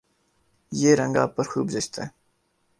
یہ رنگ آپ پر خوب جچتا ہے